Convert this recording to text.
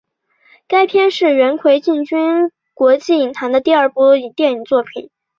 该片是元奎进军国际影坛的第二部电影作品。